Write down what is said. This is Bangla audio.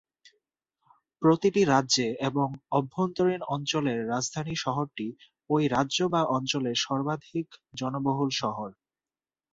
প্রতিটি রাজ্যে এবং অভ্যন্তরীণ অঞ্চলের রাজধানী শহরটি ওই রাজ্য বা অঞ্চলের সর্বাধিক জনবহুল শহর।